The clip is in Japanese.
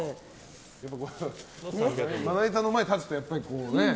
まな板の前に立つとやっぱりね。